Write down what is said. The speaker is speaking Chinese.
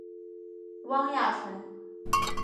汪亚尘。